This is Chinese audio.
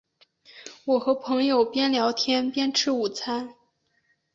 我和朋友边聊天边吃午餐